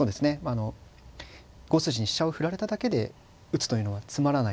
あの５筋に飛車を振られただけで打つというのはつまらない